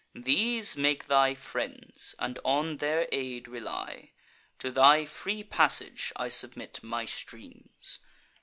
These make thy friends, and on their aid rely. To thy free passage I submit my streams.